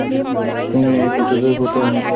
তুমি এই ফুটেজের কোথাও নেই।